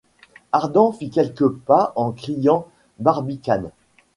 Ardan fit quelques pas en criant :« Barbicane !